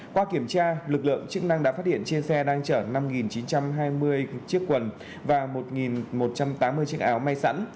qua kiểm tra lực lượng chức năng đã phát hiện trên xe đang chở năm chín trăm hai mươi chiếc quần và một một trăm tám mươi chín áp